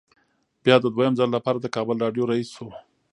بیا د دویم ځل لپاره د کابل راډیو رییس شو.